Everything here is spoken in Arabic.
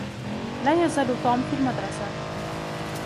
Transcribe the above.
لا يزال توم في المدرسة.